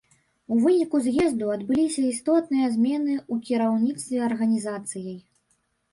У выніку з'езду адбыліся істотныя змены ў кіраўніцтве арганізацыяй.